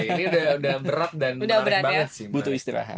ini udah berat dan panas banget sih